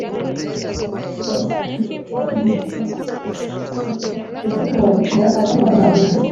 impyisi izibonye iti « murakaza neza mboga zizanye!»